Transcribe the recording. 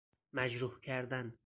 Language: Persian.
مجروح کردن